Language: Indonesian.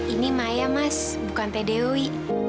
ini maya mas bukan t dewi